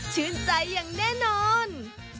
ชื่นใจอย่างแน่นอน